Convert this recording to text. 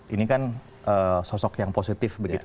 ini kan sosok yang positif begitu